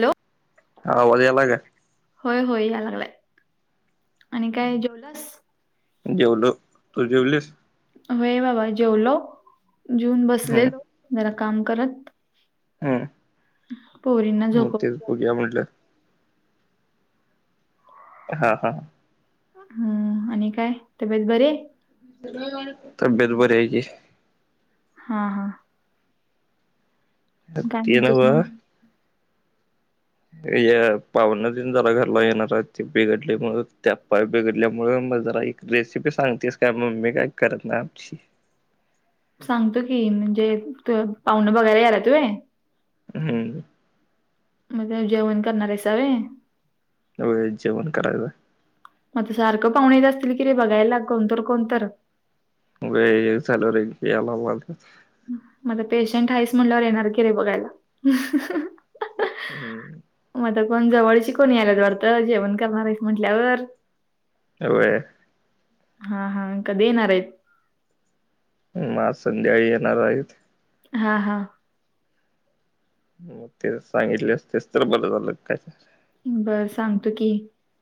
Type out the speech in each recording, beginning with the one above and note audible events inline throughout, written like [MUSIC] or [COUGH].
Hello! आवाज यायला काय. होय होय या लागलाय आणि काय जेवलास. जेवलो तू जेवलीस. वय बाबा जेवलो जेऊन हम्म बसलेलो जरा काम करत. हम्म पोरींना झोप उद्या ये म्हटलं. हा हा. हम्म आणि काय तब्येत बरी आह्य. हम तब्येत बरी आहे की. हा हा. अ काय ते म्हणतोस नव्हं. मग य पावन तेन जरा घरला येणार आहे. ते बिघडलेमुळे त्यापाय बिघडल्यामुळे मग जरा एक. रेसिपी सांगतेस काय मम्मी काय करत नाही आमची. सांगतो की म्हणजे, तु पाहुणं बगायला यायलेत व्हय. हम. म्हणजे जेवण करणार आहेसा व्हयं. व्हयं जेवण करायचाय. मग सारखं पाहुणे येत असतील. की रे बघायला कोणतर कोणतर. व्हयं चालू राहिल याला‌ वालतात. मग आता पेशंट हैस म्हणल्यावर येणार की रे बघायला. हम्म. मग आता कोण जवळची कोण यालात वाटतं जेवण करणार आहेस म्हटल्यावर. होय. हा. हा. कधी येणार आहेत? मग आज संध्याळी येणार आहेत. हा. हा. तेच सांगितली असतेच तर बर झालं काय. बरं सांगतो की,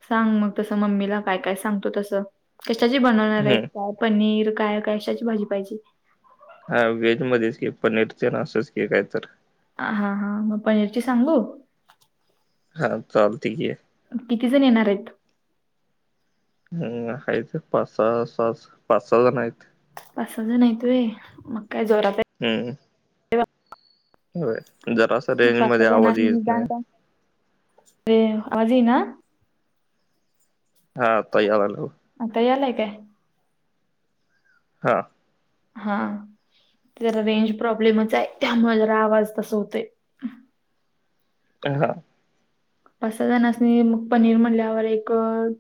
सांग मग तसं मम्मीला काय काय सांगतो तसं. कशाची बनवणार आहे हम्म काय पनीर काय कशाची भाजी पाहिजे? हा व्हेज मध्येच की पनीर तेन असंच की काय तर? हा हां मग पनीरची सांगू. हां चालतंय की किती जण येणार आहेत. हम्म हायत पाच सहा, सहा पाच सहा जण आहेत. पाच सहा जण आहेत होय मग काय जोरात आहे. हम्म. जरास मग रेंज पाच मध्ये सहा जण आवाज असं येत निदान नाही. काय अरे आवाज येईना. हा आता यायला लागला. आता यालाय काय. हा. हा. जरा रेंज प्रॉब्लेमच आहे त्यामुळे जरा आवाज तसं होतय. ह. हा. पाच सहा जणासनी मग पनीर म्हणल्यावर एक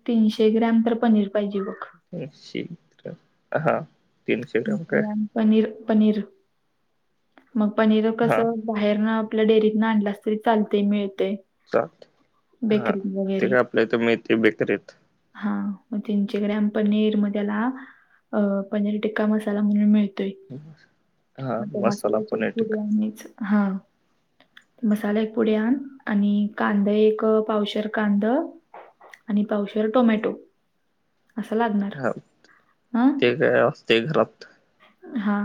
तीनशे ग्रॅम तर पनीर पाहिजे बघ. तीनशे [UNINTELLIGIBLE] हा तीनशे ग्राम काय [INAUDIBLE] पनीर पनीर मग पनीर हा कसं? बाहेर ना आपल्या डेअरीत न आणलास तरी चालतय मिळतय. चालतंय हा ते काय आपल्या इथे मिळतंय बेकरीत. हा मग तीनशे ग्रम पनीर मग त्याला अ पनीर टिक्का मसाला म्हणून मिळतोय. हो [UNINTELLIGIBLE] मण मसाल्याची पुढ आणिच हा. मसाला एक पुड्यान आणि कांदा एक पावशर कांद. आणि पावशेर टोमॅटो. असं लागणार. हा ते [UNINTELLIGIBLE] घरात. हा.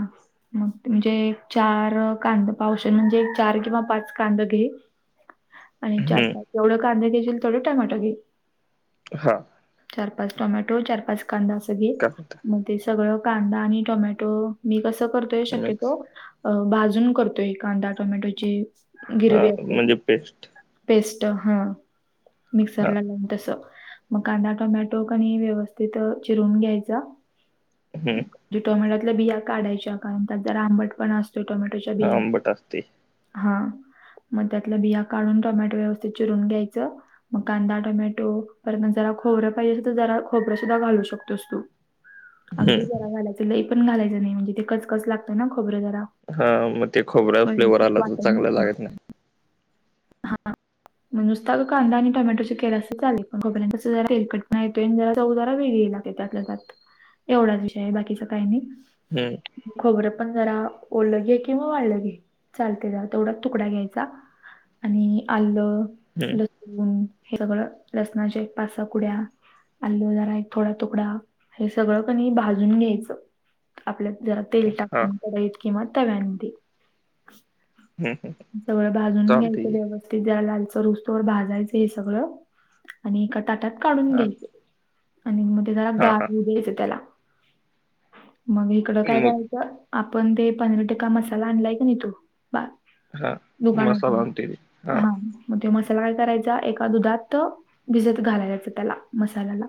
मग म्हजे चार कांदा पावशण म्हणजे एक चार किंवा पाच कांदा घे. [UNINTELLIGIBLE] आणि चार पाच जेवढं कांदा घ्याशील तेवढं टमाटो घे हा. चार पाच टोमॅटो चार पाच कांदा असं घे. कट मग ते सगळं कांदा आणि टोमॅटो मी कसं करतोय मिक्स शक्यतो. अ भाजून करतोय कांदा टोमॅटोची गिरवी असते ती. बेस्ट पेस्ट हा हा मिक्सरला लावून तस. मग कांदा टोमॅटो कनी व्यवस्थित चिरून घ्यायचा. हम्म ज्या टोमॅटोतल्या बिया काढायच्या कारण त्या जरा आंबट पण असतो टोमॅटोच्या हा बियात. आंबट असते हा. मग, त्यातलं बिया काढून टोमॅटो व्यवस्थित चिरून घ्यायचं. मग कांदा, टोमॅटो परत मग, जरा खोबरं पाहिजे असे तर, जरा खोबरं सुद्धा घालू शकतोस तू. अगदी हम्म जरा घालायचं लई पण, घालायचं नाही म्हणजे ते, कचकस लागतय ना खोबरं जरा. हा मग ते खोबऱ्या फ्लेवर व्यवस्थित आला तर वाटण चांगला लागत नाही. हा. हा. मग नुसता अगं कांदा आणि टोमॅटोचे केलास चालतय पण, खोबऱ्यान जरा तेलकटपणा येतोय आणि जरा चव वेगळी लाग त्यात, त्यात एवढाच विषय आहे. बाकीच काही नाही. हम्म.. खोबरं पण जरा ओलं घे किंवा वाळं घे चालते जरा तेवढाच तुकडा घ्यायचा. आणि आलं, हम्म लसूण हे सगळं लसणाचे पाच सहा कुड्या. आल्ल जरा एक थोडा तुकडा हे सगळं कनई भाजून घ्यायचं. आपल्यात जरा तेल हा टाकून कडाईत किंवा तव्यामधे. [UNINTELLIGIBLE] सगळं भाजून चालतंय घ्यायचं की व्यवस्थि ते जरा, लालसर होउस्तोवर भाजायचं हे सगळं. आणि एका ताटात काढून हा घ्यायचं. आणि मग ते जरा हा गार हा होऊ द्यायचं त्याला, मग इकडं काय मग करायचं आपण ते पनीर टिक्का मसाला आणलाय का? नाही तो. बा हा मसाला दुकानातून आणतोय की हा. मग, ते मसाला काय करायचा? एका दुधात भिजत घालायच, त्याला मसाल्याला.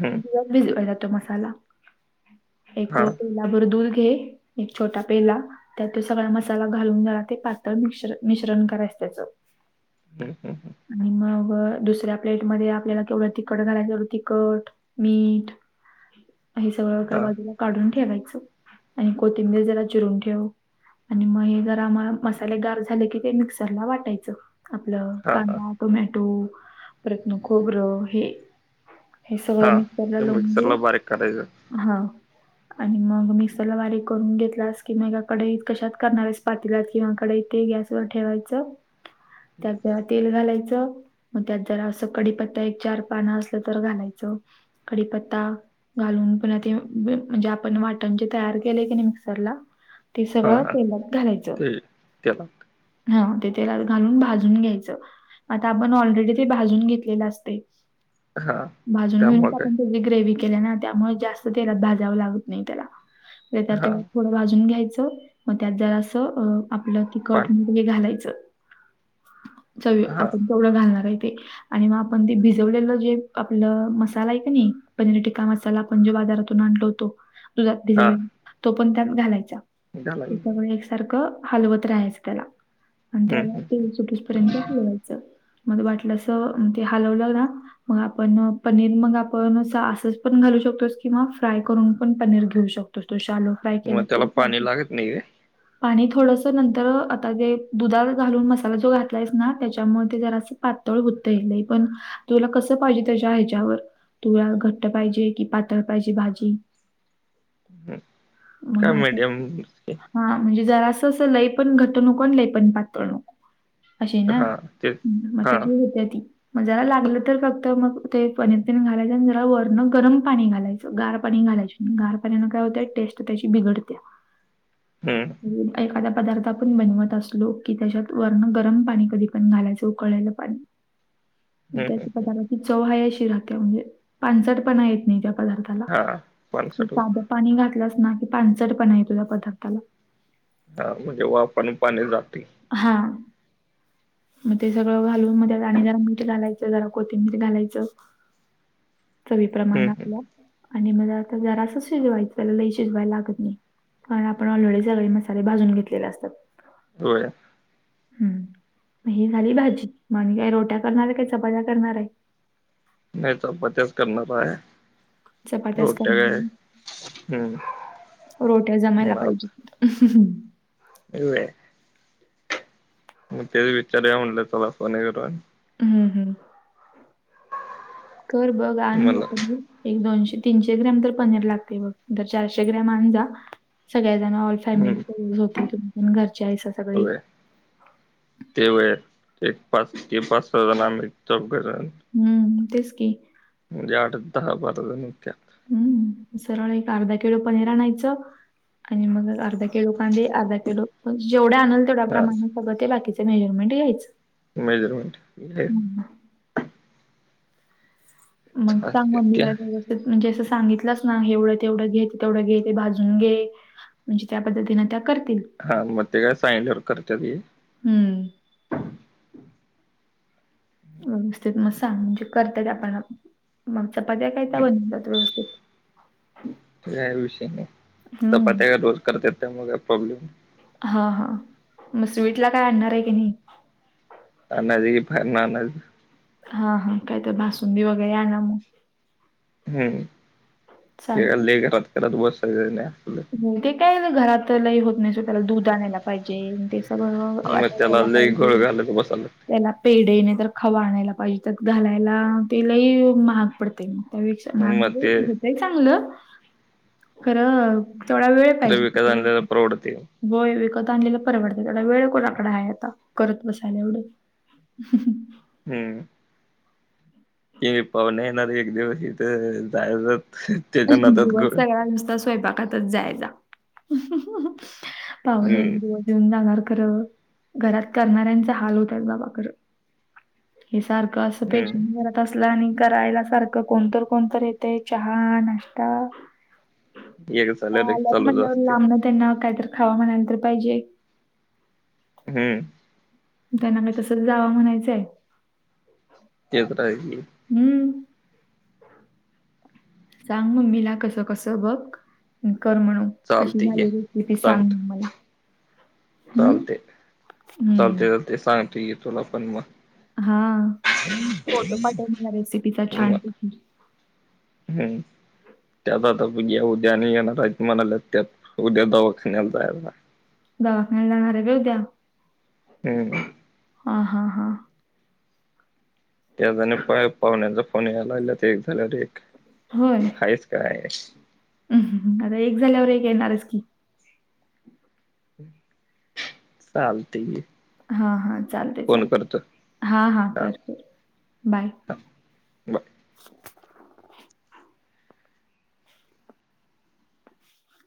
हम्म म्हणजे, त्यात भिजवायचा तो मसाला एक हा हम्म पेल्ला भर दूध घे. एक छोटा पेला, त्यात ते सगळा मसाला घालून झाला. ते पातळ मिश्र-मिश्रण करायच त्याच हम्म आणि मग दुसऱ्या प्लेट मध्ये आपल्याला केवढं? तिखट घालायच, तेवढं तिखट, मीठ. हे सगळं एका हा बाजूलाच काढून ठेवायचं आणि कोथिंबीर जरा चिरून ठेव आणि मग हे जरा आम्हा मसाले गार झाले की ते मिक्सरला वाटायचं. आपलं हा हा कांदा टोमॅटो परतन खोबरं हे. हे सगळं हा मिक्सरला ते लावून घे. मिक्सरला बारीक करायचं हा. आणि मग मिक्सरला बारीक करून घेतलास की मग, एका कडाईत कशात? करणार आहेस पातील्यात. किंवा कडाई, इथे गॅस वर ठेवायचं त्याच्यात. तेल घालायचं मग, त्यात जर असं कडीपंत्ता एक, चार पानं असलं तर घालायचं. कडीपत्ता. घालून पुन्हा ते म्हणजे आपण वाटण जे तयार केलंय की नाही मिक्सरला. ते हा. सगळं हा. तेलात ते. त्याला. ह. ते. त्यात घालून भाजून घ्यायचं. आता. आपण ऑलरेडी ते भाजून घेतलेलं असतय. हा भाजून घेऊनच त्यामुळं काय आपण त्यातली ग्रेव्ही. केल ना त्यामुळ जास्त तेलात भाजावं लागत नाही त्याला. हा मग [UNINTELLIGIBLE] भाजून घ्यायच मग, त्यात जरा अस आपलं तिखट पाणी मीठ हे घालायचं. चवी हा आपण केवढं? घालणार आहे. ते. आणि मग, आपण ते भिजवलेलं जे आपलं मसाला आहे का नाही? पनीर टिक्का मसाला आपण, जे बाजारातून आणलो होतो. दुधात हा भिजवला तो पण, त्यात घालायचा घालायचं त्याच्यामुळे एकसारखं. हलवत राहायचं त्याला आणि हम्म त्याला जरा तेल सुटुसपर्यंत हलवायचं. मध्ये वाटलं असं, मग ते हलवलं ना. मग आपण पनीर मग आपण असंच पण घालू शकतो किंवा फ्राय करून पण पनीर घेऊ शक तो. तू. शालो फ्राय हम्म केला मग त्याला तरी पाणी चालतंय. लागत नाही पाणी थो थोडस नंतर आता जे दुधात घालून मसाला जो घातलायस ना त्याच्यामुळे ते जरासं पातळ होतय लय पण, तुला कसं पाहिजे? त्याच्या ह्याच्यावर. तुला घट्ट पाहिजे, की पातळ पाहिजे, भाजी. काय मॅडम हा म्हणजे जरा असं अस लय पण घट नको आणि लय पण पातळ नको. अशी ना हा तेच मग ती हा [UNINTELLIGIBLE] होत्या ती. मग जरा लागलं तर फक्त मग ते पनीर तेन घालायचं आणि जरा वरनं गरम पाणी घालायचं. गार पाणी घालायचं गार पाण्यान काय होतंय? टेस्ट त्याची बिघडतेय. हम्म. [UNINTELLIGIBLE] एखादा पदार्थ आपण बनवत असलो, की त्याच्यात वरण गरम पाणी कधी पण घालायचं उकळलेलं पाणी. [INAUDIBLE] मग त्या हं. पदार्थाची चव आहे अशी राहते म्हणजे पानचटपणा येत नाही त्या पदार्थात. हां. हॅलो पाणसाठा साधं पाणी घातलंस ना, की पाणचटपण येतो त्या पदार्थाला. हा म्हणजे वाफ आणि पाणी जाते. हा. मग ते सगळं घालून मग त्यात आणि जरा मीठ घालायचं, जरा कोथिंबीर घालायचं. [INAUDIBLE] चवी प्रमाण हं, हं. आपल्या आणि मला आता जरास शिजवायचंला लई शिजवायला लागत नाही. कारण आपण ऑलरेडी सगळे मसाले भाजून घेतलेले असतात. होय. हम्म मग ही झाली भाजी. मग आणि काय रोट्या करणार आहे काय चपात्या करणार आहे? नाही चपात्याच करणार आहे. चपाात्याच रोट्या काय हं. [UNINTELLIGIBLE] रोट्या जमायला भात. पाहीजेत. [UNINTELLIGIBLE] होय. मग तेच विचारुया म्हणलं चला फोनकरून. हम्म हम्म. कर बघ आण म्हणलं [UNINTELLIGIBLE] एक दोनशे तीनशे ग्रॅम तर पनीर लागते बघ, तर चारशे ग्रॅम आण जा सगळ्याजण [UNINTELLIGIBLE] हं. फॅमिली [UNINTELLIGIBLE] होते तुम्ही पण घरचे आहेसा सगळी. होय. ते होय एक पाच ते पाच सहाजण आम्ही चौघजण हम्म तेच की. ज्या वाटेत दहा बाजूला निघत्या. हम्म सरळ एक अर्धा किलो पनीर आणायचं. आणि मग अर्धा किलो कांदे, अर्धा किलो जेवढे आणल तेवढ्या हां. प्रमाणात मग ते बाकीचं मेजरमेंट घ्यायचं. मेजरमेंट [UNINTELLIGIBLE] हं, मग सांग चालतंय मी ते. काय [UNINTELLIGIBLE] म्हणजे असं सांगितलंच ना एवढं तेवढं घेत ते तेवढं घे ते भाजून घे. म्हणजे त्या पद्धतीने त्या करतील. हा मग ते काय सांगितल्यावर करत्याती. हम्म. व्यवस्थित म सांग म्हणजे करत्यात आपण आप मग चपात्या काय त्या हं. बनवतात व्यवस्थित? ते काय विषय नाही, हम्म चपात्या काय रोज करत्यात त्यामुळे काय प्रॉब्लेम नई. हा हा मग स्वीटला काय आणणार आहे की नाही? आणायचं की बाहेरनं आणायचं. हा हा काय तर बासुंदी वगैरे आणा मग. हम्म ते चालते लई घरात करत बसायचंच नाही आपलं. ते काय घरात लय होत नाही सोड, त्याला दूध आणायला पाहिजे, दे ते बरोबर मग त्याला वाटायला लय घोळ पाहिजे. घालत बसायला त्याला पेढे नाही तर खवा आणायला पाहिजे, त्यात घालायला. ते लई महाग पडतंय मग. त्यापेक्षा लागतंय मग महागल ते होतय चांगलं, खरं थोडा वेळ. खरं विकत पाहिजे आणलेला [UNINTELLIGIBLE] परवडतंय होय विकत आणलेलं परवडत तेवढा वेळ कोणाकडं आहे आता, करत बसायला एवढं. [INAUDIBLE] [UNINTELLIGIBLE] हम्म. कि पाहुणे येणार एक दिवस इथं जायच. दिवस सगळा नुसता स्वयंपाकातच जायचा. पाहुणे एक हम्म दिवस येऊन जाणार खरं घरात करणाऱ्यांचा हाल होतात बाबा खरं. हे सारखं असं पेज हम्म म्हणून जरा तसलं आणि करायला सारखं कोणतर कोणतर येतंय, चहा नाश्ता. एक आता झाल्यावर एक आल्यात चालूच म्हणल्यावर असतंय लांबणं त्यांना काहीतर खावा म्हणायला तर पाहिजे. हम्म. त्यांना काय तसंच जावा म्हणायचंय. ते कुठं हाय ते? हम्म. सांग मम्मीला कसं कसं बघ, मग कर म्हणून. कशी चालतंय घे झालेली होती ती सांग मला. हम्म. चालते चालते हम्म. चालते सांगतो ये तुला पण मग. हा फोटो पाठव मला रेसिपीचा मग मग छान पैकी. हम्म. त्यात आता उद्या उद्या आणि येणार आहेत म्हणालेत त्यात, उद्या दवाखानाला जायला. दवाखान्याला जाणार आहे होय त्या? हम्म. हा हा हा. त्या जणी पाय पाहुण्याचा फोन याय लागल्यात एक झाल्यावर एक. होय. आहेस काय? आता एक झाल्यावर एक येणारच की. चालतंय की. हां हां चालतंय फोन चाल करतो हा हा कर कर, बाय. हा बर